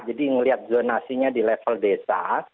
jadi ngeliat zonasinya di level desa